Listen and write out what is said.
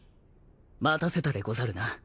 待たせたでござるな。